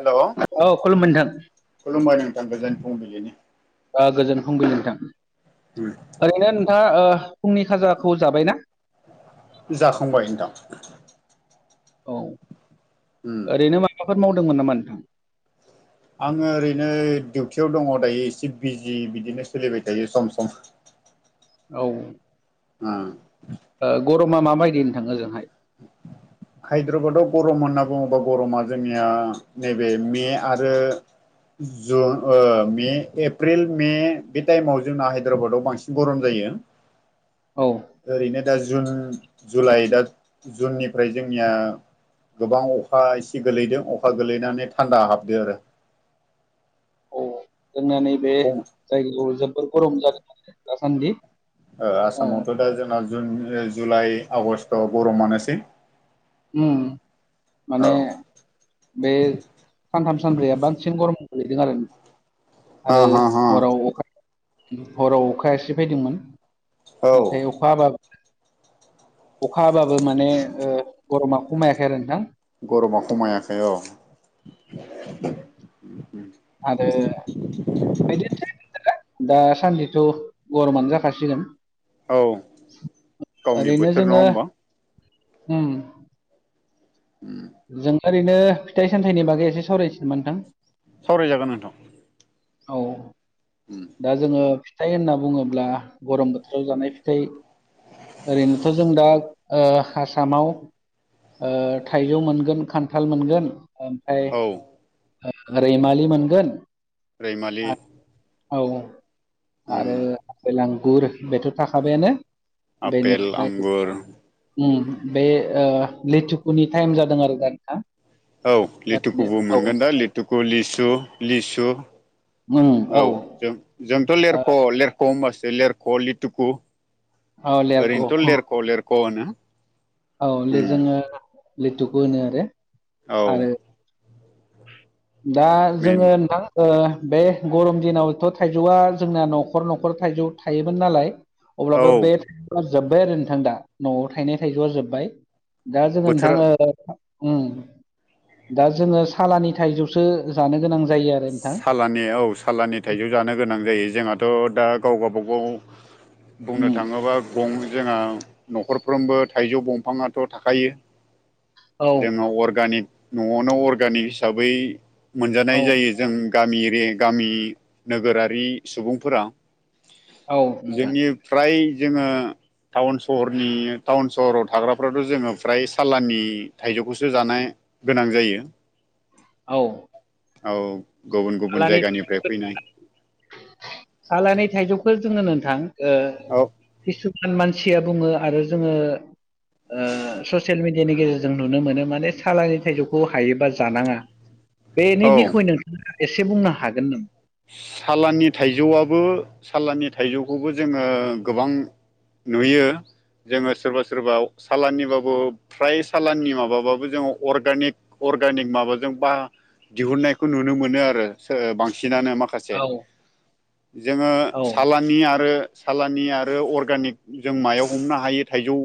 हेल' औ खुलुमबाय नोंथां। खुलुमबाय नोंथां गोजोन फुंबिलिनि। ओ गोजोन फुंबिलि नोंथां। उम ओरैनो नोंथाङा ओ फुंनि खाजाखौ जाबायना? जाखांबाय नोंथां। औ उम ओरैनो माबाफोर मावदोंमोन नामा नोंथां? आङो ओरैनो दिडिउटियाव दङ दायो एसे बिजि बिदिनो सोलिबाय थायो सम सम। औ ओ ओ गरमा माबायदिनो थाङो ओजोंहाय? [inaudible] हायद्राबादाव गरम होनना बुङोबा गरमा जोंनिया नैबे मे आरो जुन ओ मे एप्रिल मे बे टाइमाव जोंना हायद्राबादाव बांसिन गरम जायो। औ ओरैनो दा जुन जुलाइ दा जुननिफ्राय जोंनिया गोबां अखा एसे गोलैदों अखा गोलैनानै थान्दा हाबदों आरो। औ जोंना नैबे खम जायगायाव जोबोर गरम जादों आरो दासान्दि ओ आसामावथ' दा जोंना जुन जुलाइ आगष्टआव गरमानोसै उम औ माने बे सानथाम सानब्रैया बांसिन गरम गोग्लैदों आरो नोंथां हा आरो हा हा हराव अखा हराव अखाया एसे फैदोंमोन। औ नाथाय अखा हाबाबो अखा हाबाबो माने ओ गरमा ख'मायाखै आरो नोंथां गरमा ख'मायाखै औ आरो बिदिनोसै दासान्दिथ' गरमानो जाखासिगोन औ गावनि ओरैनो बोथोर नङा जोङो होमबा उम ओम जों ओरैनो फिथाइ सामथाइनि बागै एसे सावरायनोसै नामा नोंथां सावरायजागोन नोंथां औ उम दा जोङो फिथाइ होनना बुङोब्ला गरम बोथोराव जानाय फिथाइ ओरैनोथ' जों दा ओ आसामाव ओ थाइजौ मोनगोन खान्थाल मोनगोन ओम फ्राय औ ओ रैमालि मोनगोन रैमालि आरो औ उम आरो आपेल आंगुर बेथ' थाखाबायानो आपेल बेनिफ्राय आंगुर उम बे ओ लेथुखुनि टाइम जादों आरो दानिया औ लिथुखुबो मोनगोन दा लिथुखु लिसु लिसु उम औ ओ जों जोंथ' लेरख' लेरख' होमबासो लेरख' लिथुखु औ लेरख' ओरैनोथ' लेरख' लेरख' होनो औे ले उम जोङो लेथुखो होनो आरो। औ आरो दा मेन जोङो नोंथां ओ बे गरम दिनावथ' थाइजौआ जोंना न'खर न'खर थाइजौ थायोमोन नालाय औ अब्लाबो बे थाइजौआ जोब्बाय आरो नोंथां दा न'आव थायनाय थाइजौआ जोब्बाय दा जोङो बोथोरा नोंथा ओ उम दा जोङो सालानि थाइजौ सो जानो गोनां जायो आ सालानि औ सालानि थाइजौ जानो गोनां जायो जोंहाथ' दा गावबा गाबाव उम बुंनो थाङोबा गं जोंहा न'खरफ्रोमबो थाइजौ बंफाङाथ' थाखायो औ जोङो अर्गानिक न'आवनो अर्गानिक हिसाबै औ मोनजानाय जायो। जों गामि एरिया गामि नोगोरारि सुबुंफोरा औ नोंथां जोंनि फ्राय जोङो टाउन सहरनि टाउन सहराव थाग्राफ्राथ' जोङो फ्राय सालानि थाइजौखौसो जानाय गोनां जायो। औ औ गुबुन गुबुन जायगानिफ्राय फैनाय आलानि थाइजौखौ जोङो नोंथां ओ औ किसुखान मानसिया बुङो आरो जोङो ओ ससियेल मिडियानि गेजेरजों नुनो मोनो माने सालानि थाइजौखौ हायोबा जानाङा बेनि औ बिखय नोंथाङा एसे बुंनो हागोन नामा? सालानि थाइजौआबो सालानि थाइजौखौबो जोङो गोबां नुयो जोङो सोरबा सोरबा साालाननिबाबो फ्राय साालाननि माबाबाबो जोङो अर्गानिक अर्गानिक माबाजों बा दिहुनायखौ नुनो मोनो आरो। सो-ओ- बांसिन सिनानो माखासे औ जोङो औ साला नि आरो सालानि आरो अर्गानिक जों मायाव हमनो हायो थाइजौ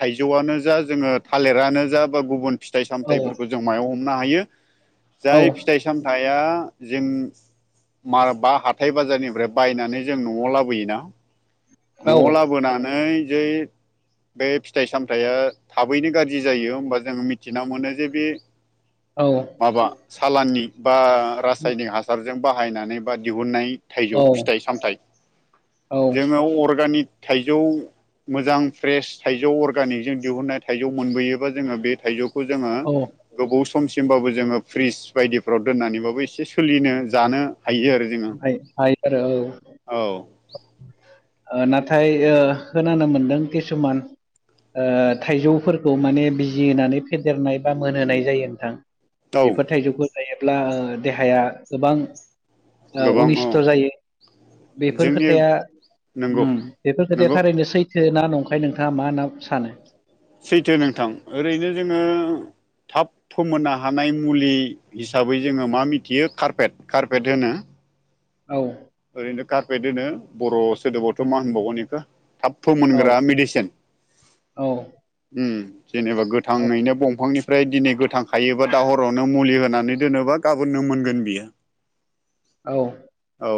थाइजौआनो जा जोङो थालिरानो जा बा गुबुन फिथाइ औ सामथायाइफोरखौ जों मायाव हमनो हायो औ जाय फिथाइ सामथाइया जों मारल बा हाथाय बाजारनिफ्राय बायनानै जों न'आव लाबोयोना। औ न'आव लाबोनानै जै बे फिथाइ सामथायाइया थाबैनो गाज्रि जायो होमबा जोङो मिथिना मोनो जे बे औ माबा सालाननि बा रासायनिक हासारजों बाहायनानै बा दिहुननाय थाइजौ औ फिथाइ सामथाय औ जोङो अर्गानिक थाइजौ। मोजां फ्रेस थाइजौ अर्गानिकजों दिहुननाय थाइजौ मोनबोयोबा जोङो बे थाइजौ जोङो औ गोबाव समसिमबाबो जोङो फ्रिस बायदिफ्राव दोननानैबाबो एसे सोलिनो। जानो हायो आरो। जोङो हाय-हायोथ' आरो औ। ओ-नाथाय ओ खोनानो मोनदों किसुमान ओ थाइजौफोरखौ माने बिजि होनानै फेदेरनाय बा मोनहोनाय जायो नोंथां। औ बेफोर थाइजौखौ जायोब्ला देहाया गोबां गोबां औ ओ-अनिस्थ' जायो। बेफोर जोंनि खोथाया नंगौ ओम। बेफोर खोथाया नंगौ थारैनो सैथ थोना नंखाय नोंथाङा मा ना सानो? सैथो नोंथां ओरैनो जोङो थाब फोमोननो हानाय मुलि। हिसाबै जोङो मा मिथियो कारपेट कारपेट होनो। औ ओरैनो कारपेट होनो बर' सोदोबावथ' मा होनबावगोन इसोर? थाब औ फोमोनग्रा मेडिसिन। औ जेनेबा औ गोथाङैनो बंफांनि ओमफ्राय दिनै गोथां खायोबा दा हरावनो मुलि होनानै दोनोबा गाबोननो मोनगोन बियो। [inaudible] औ औ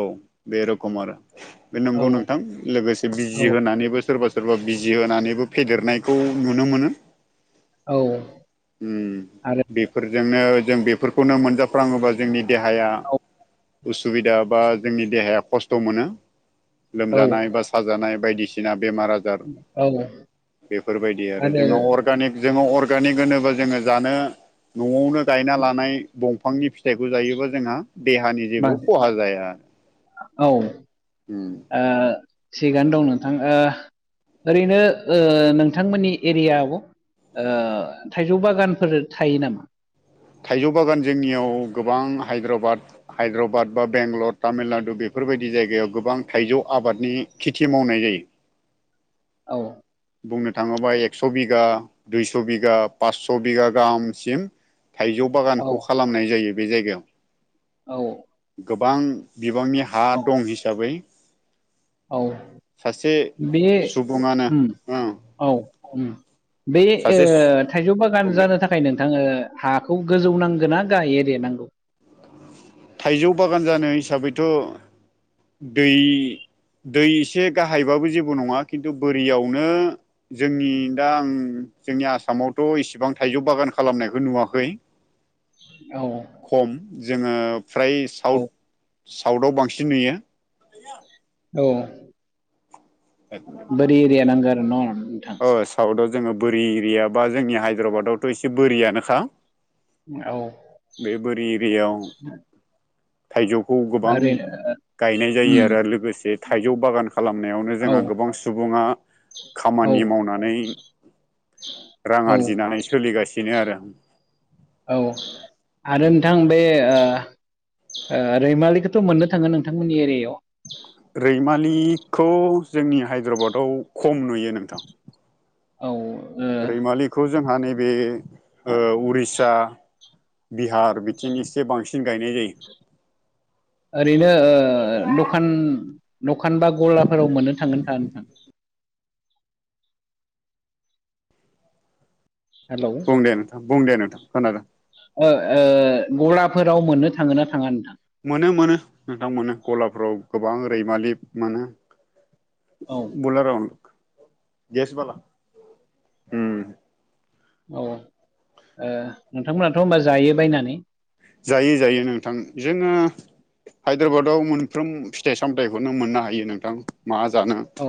बे रोखम आरो बे नंगौ नोंथां औ लोगोसे बिजि औ होनानैबो सोरबा सोर -' सोरबा बिजि होनानैबो फेदेरनायखौ नुनो मोनो। औ ओम। आरो बेफोरजोंनो जों बेफोरखौनो मोनजाफ्राङोबा जोंनि देहाया औ उसुबिदा बा जोंनि देहाया खस्थ' मोनो। औ लोमजानाय बा साजानाय बायदिसिना बेमार आज जार। औ बेफोरबायदि आरो जोङो अर्गानिक जोङो अर्गानिक होनोब्ला जोङो जानो न'आवनो गायना लानाय बं फांनि फिथाइखौ जायोबा जोंहा देहानि जेबो बांसिन खहा जाया। औ ओम। ओ-थिगआनो दं नोंथां। ओ- ओरैनो ओ-नोंथांमोननि एरियाव ओ-थाइजौ बागानफोर थायो नामा? थाइजौ बागान जोंनियाव गोबां हायद्राबाद हायद्राबाद बा बेंगलर तामिलनाडु बेफोरबायदि जायगायाव गोबां थाइजौ आबादनि खेथि मावनाय जायो। औ बुंनो थाङोबा एकस' बिगा दुइस' बिगा पास्स' बिगा गाहामसिम। थाइजौ औ बागानखौ खालामनाय जायो बे जायगायाव। औ गोबां बिबांनि हा औ दं हिसाबै। औ सासे बे सुबुङानो। उम ओं औ उम बे सासे थाइजौ बागान बुंदो जानो थाखाय नोंथाङ ओ हाखौ गोजौ नांगोन ना गाहाय एरिया नांगौ। थाइजौ बागान जानो हिसाबैथ' दै। दै एसे गाहायबाबो जेबो नङा खिन्थु बोरियावनो। जोंनि दा आं जोंनि आसामावथ' इसिबां थाइजौ बागान खालामनायखौ नुवाखै। [unintelligible] औ खम जोङो फ्राय औ साउथ साउथाव बांसिन नुयो औ बोरि [unintelligible] एरिया नांगौ आरो न' नोंथां औ साउथाव जोङो बोरि एरिया बा जोंनि हायद्राबादावथ' एसे बोरियानोखा। औ बेबुरि एरियाआव। थाइजौखौ गोबां ओरैनो गायनाय जायो उम आरो लोगोसे थाइजौ बागान खालामनायावनो। औ जोंहा गोबां सुबुङा औ खामानि मावनानै। रां औ आरजिनानै सोलिगासिनो आरों। औ आरो नोंथां बे रैमालिखौथ' मोननो थाङो नोंथांमोननि एरियायाव रैमालिखौ जोंनि हायद्राबादाव खम नुयो नोंथां। औ रैमालिखौ जोंहा नैबे उरिसा बिहार बिथिं एसे बांसिन गायनाय जायो। ओरैनो दखान दखान बा गलाफोराव मोननो थांगोनथा नोंथां। हेलौ बुं दे नोंथां बुं दे नोंथां खोनादों। ओ ओ गलाफोराव मोननो थाङो ना थाङा नोंथां। मोनो मोनो नोंथांमोनो गलाफ्राव गोबां रैमालि मोनो। औ बुलारावन्द गेसबाला। औ ओ नोंथांमोनाथ' होनोमबा जायो बायनानै। जायो जायो नोंथां जोङो। हायद्राबादाव मोनफ्रोम फिथाइ सामथायाइखौनो मोननो हायो नोंथां मा जानो। औ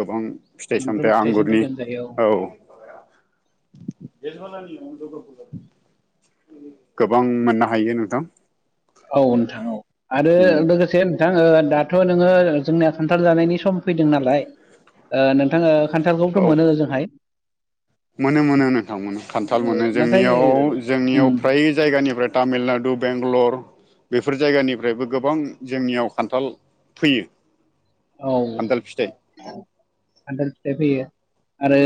गोबां फिथाइ मोनफ्रोम सामथाइ फिथाइ आंगुरनि सामथाइखौनो जायो औ। [unintelligible] गोबां मोननो हायो नोंथां। औ नोंथां औ आरो उम लोगोसे। थां ओ दाथ' नोङो जोंनिया खान्थाल जानायनि सम फैदों नालाय। नोंथाङा खान्थालखौथ' औ मोनो ओजोंहाय। मोनो मोनो नोंथांमोन खान्थाल औ मोनो नाथाय जोंनियाव उम जोंनियाव फ्राय। जायगानिफ्राय तामिलनाडु बेंगलर। बेफोर जायगानिफ्रायबो गोबां जोंनियाव खान्थाल फैयो। औ खान्थाल फिथाइ खान्थाल फिथाइ फैयो आरो।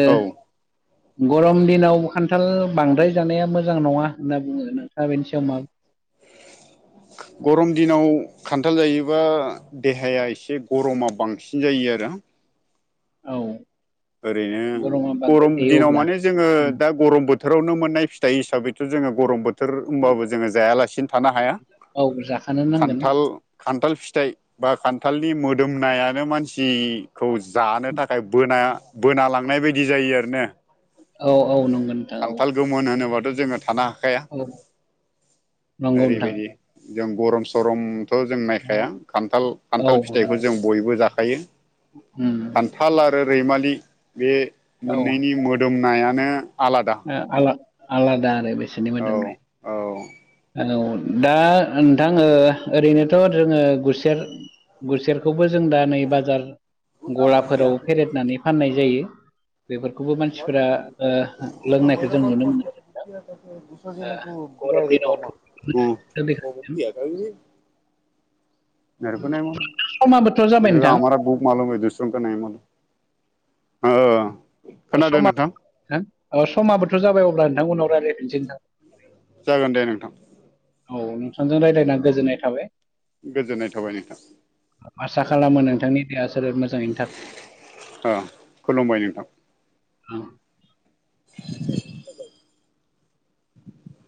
[unintelligible] गरम दिनाव खान्थाल बांद्राय जानाया मोजां नङा होनना बुङो नोंथाङ बेनि सायाव मा गरम दिनाव खान्थाल जायोबा देहाया एसे गरमा बांसिन जायो आरो औ गरमा ओरैनो बांद्राय गरम थायो दिनाव अब्ला माने जोङो उम दा गरम बोथोरावनो मोननाय फिथाइ हिसाबैथ' जो गरम बोथोर बोथोर होनोमबाबो जोङो जायालासिनो थानो हाया औ जाखानो नांगोन खान्थाल खान्थाल फिथाइ बा खान्थालनि मोदोमनायानो मानसि खौ जानो थाखाय बोनाया बोना लांनाय बायदि जायो आरोना। औ औ नंगौ नोंथां औ गोमोन होनोबाथ' जोङो थानो हाखाया औ नंगौ ओरैबायदि नोंथां जों गरम सरम जों नायखाया खान्थाल औ खान्थाल फिथाइखौ नंगौ जों बयबो जाखायो। उम थाल आरो रैमालि बे औ ओ मोननैनि मोदोमनायानो आलादा। आला आलादा आरो बेसोरनि औ औ मोदोमनाय औ दा नोंथाङो ओरैनोथ' जोङो गुसेर गुसेरखौबो जों दा नै बाजार गलाफोराव फेरेदनानै फाननाय जायो बेफोरखौबो मानसिफोरा ओ लोंनायखौ जों नुनो मोनो ओ [unintelligible] गरम दिनावथ' [unintelligible] समाबोथ' जाबाय नोंथां [unintelligible] [unintelligible] खोनादों समा नोंथां ओ समाबोथ' जाबाय अब्ला नोंथां उनाव रायज्लायफिनसै नोंथां जागोन दे नोंथां। औ नोंथांजों रायज्लायना गोजोननाय थाबाय गोजोननाय थाबाय नोंथां। आसा खालामो नोंथांनि देहा सोलेर मोजाङैनो थाथों अ खुलुमबाय नोंथां औ [inaudible]